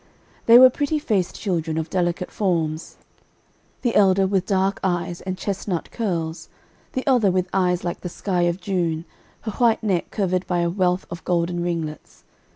They were pretty faced children, of delicate forms, the elder with dark eyes and chestnut curls, the other with eyes like the sky of June, her white neck covered by a wealth of golden ringlets.